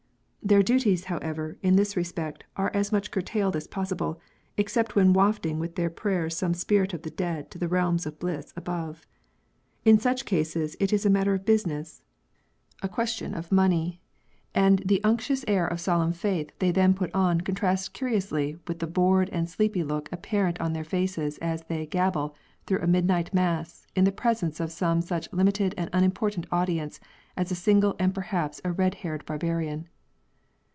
Their duties, however, in this respect are as much curtailed as pos sible, except when wafting with their prayers some spirit of the dead to the realms of bliss above. In such cases it is a matter of business, a question of B UDDHIST PRIESTS. 9 1 money ; and the unctions air of solemn faith they then put on contrasts curiously with the bored and sleepy look apparent on their faces as they gabble through a midnight mass, in the presence of some such limited and unimportant audience as a single and perhaps a red haired barbarian.